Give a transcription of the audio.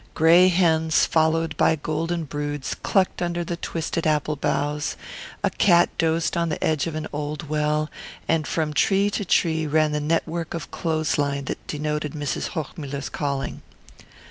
Grey hens followed by golden broods clucked under the twisted apple boughs, a cat dozed on the edge of an old well, and from tree to tree ran the network of clothes line that denoted Mrs. Hochmuller's calling.